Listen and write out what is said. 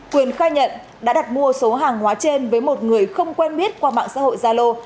quyền khai nhận đã đặt mua số hàng hóa trên với một người không quen biết qua mạng xã hội gia lô